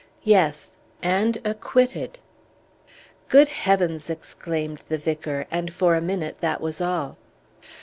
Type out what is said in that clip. "Yes and acquitted." "Good heavens!" exclaimed the vicar, and for a minute that was all.